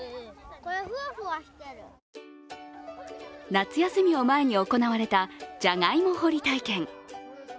夏休みを前に行われたじゃがいも掘り体験。